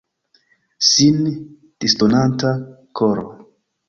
Sin disdonanta koro.